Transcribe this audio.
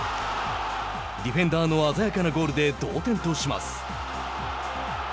ディフェンダーの鮮やかなゴールで同点とします。